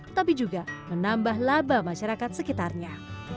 tapi juga menambah laba masyarakat sekitarnya